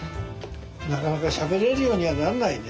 なかなかしゃべれるようにはなんないね。